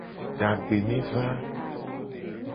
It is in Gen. Dagbe ne va.